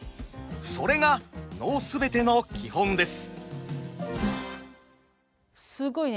それが能全ての基本です。